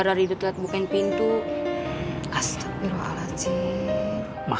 ridho harus tinggal di mana